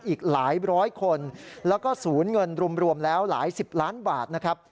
อีกหลายร้อยคนแล้วก็ศูนย์เงินรวมแล้วหลายสิบล้านบาทนะครับ